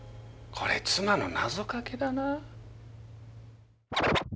こりゃ妻の謎かけだな。